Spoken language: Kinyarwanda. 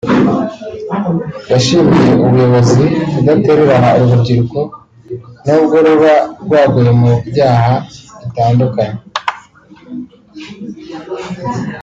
yashimiye ubuyobozi kudatererana uru rubyiruko nubwo ruba rwaguye mu byaha bitandukanye